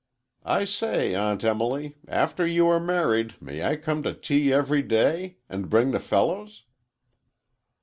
I say, Aunt Emily, after you are married, may I come to tea every day? And bring the fellows?"